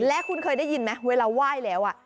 และคุณเคยได้ยินไหมเวลาไหว้แล้ว